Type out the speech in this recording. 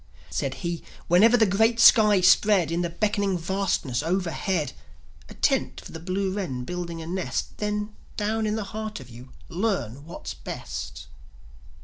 Said he: "Whenever the great skies spread, In the beckoning vastness overhead, A tent for the blue wren building a nest, Then, down in the heart of you, learn what's best."